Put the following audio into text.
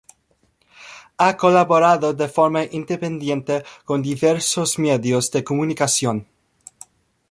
Ha colaborado de forma independiente con diversos medios de comunicación.